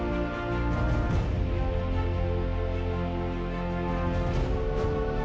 nggak ada yang nunggu